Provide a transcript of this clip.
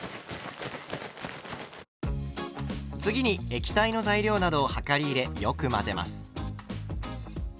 次に液体の材料などを量り入れよく混ぜます。